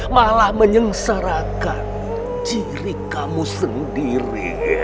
malah menyengsarakan diri kamu sendiri